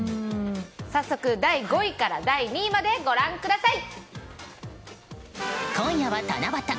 早速、第５位から第２位までご覧ください。